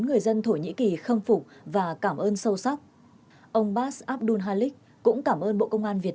người dân thổ nhĩ kỳ khâm phục và cảm ơn sâu sắc ông bas abdul halik cũng cảm ơn bộ công an việt